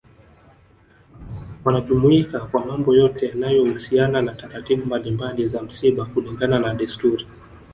Wanajumuika kwa mambo yote yanayo husiana na taratibu mbalimbali za msiba kulingana na desturi